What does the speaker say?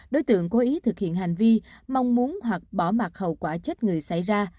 đối tượng cố ý thực hiện hành vi mong muốn hoặc bỏ mặt hậu quả chết người xảy ra